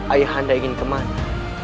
ayah anda ingin kemana